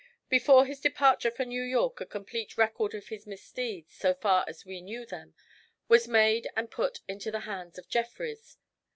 Before his departure for New York a complete record of his misdeeds, so far as we knew them, was made and put into the hands of Jeffrys.